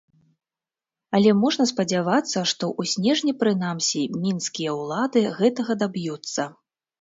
Але можна спадзявацца, што ў снежні прынамсі мінскія ўлады гэтага даб'юцца.